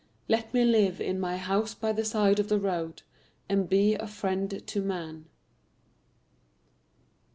Let me live in my house by the side of the road And be a friend to man.